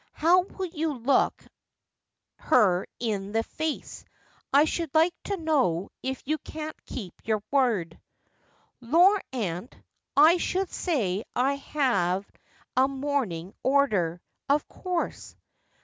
How will you look her in the face, I should like to know, if you can't keep your word 1 '' Lor, aunt, I should say I had a mourning order, of course.'